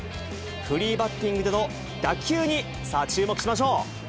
フリーバッティングでの打球に、さあ、注目しましょう。